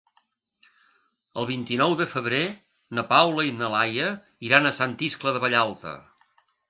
El vint-i-nou de febrer na Paula i na Laia iran a Sant Iscle de Vallalta.